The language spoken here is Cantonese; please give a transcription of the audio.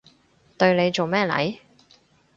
對你做咩嚟？